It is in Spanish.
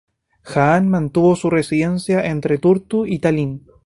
Jaan mantuvo su residencia entre Tartu y Tallin.